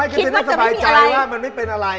คิดว่ามันจะไม่มีอะไร